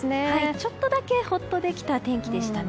ちょっとだけほっとできた天気でしたね。